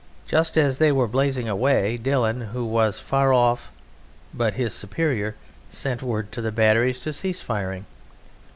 Just as they were blazing away Dillon, who was far off but his superior, sent word to the batteries to cease firing.